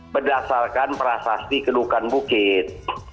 berdasarkan prasasti kedukan bukit